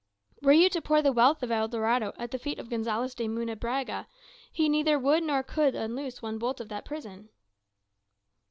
"Were you to pour the wealth of El Dorado at the feet of Gonzales de Munebrãga, he neither would nor could unloose one bolt of that prison."